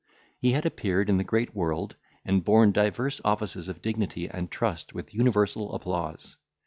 He had appeared in the great world, and borne divers offices of dignity and trust with universal applause.